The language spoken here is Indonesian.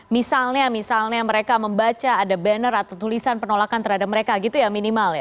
misalnya misalnya mereka membaca ada banner atau tulisan penolakan terhadap mereka gitu ya minimal ya